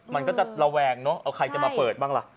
มันก็จะระแวงเนอะเอาใครจะมาเปิดบ้างล่ะ